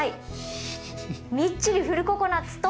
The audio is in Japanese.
みっちりフルココナツと。